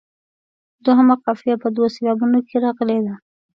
دوهمه قافیه په دوو سېلابونو کې راغلې ده.